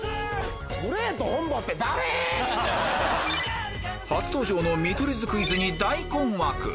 グレート誰⁉初登場の見取り図クイズに大困惑！